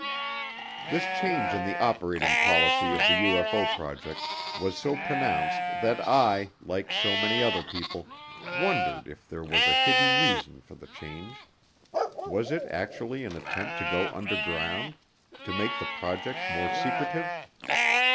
This change in the operating policy of the UFO project was so pronounced that I, like so many other people, wondered if there was a hidden reason for the change. Was it actually an attempt to go underground to make the project more secretive?